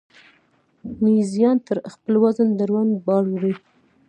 میږیان تر خپل وزن دروند بار وړي